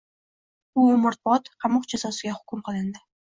U umrbod qamoq jazosiga hukm qilindi.